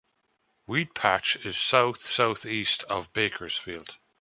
Weedpatch is south-southeast of Bakersfield.